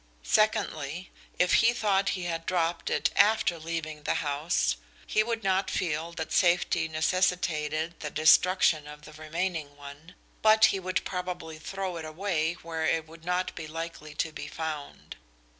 Secondly, if he thought he had dropped it after leaving the house he would not feel that safety necessitated the destruction of the remaining one, but he would probably throw it away where it would not be likely to be found.